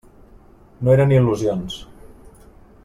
No eren il·lusions.